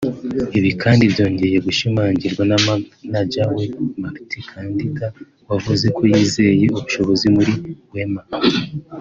Ibi kandi byongeye gushimangirwa na manager we Martin Kadinda wavuze ko yizeye ubushobozi muri Wema